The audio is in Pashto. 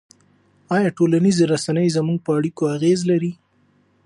آیا ټولنیزې رسنۍ زموږ په اړیکو اغېز لري؟